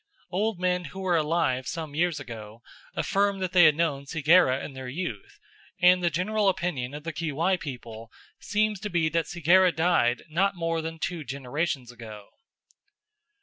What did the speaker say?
Old men who were alive some years ago affirmed that they had known Segera in their youth, and the general opinion of the Kiwai people seems to be that Segera died not more than two generations ago.